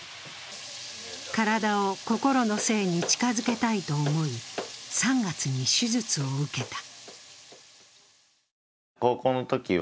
体を心の性に近づけたいと思い、３月に手術を受けた。